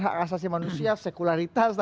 hak asasi manusia sekularitas